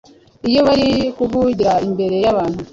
iyo bari kuvugira imbere y’abantu,